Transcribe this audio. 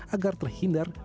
agar terhindar penyelidikan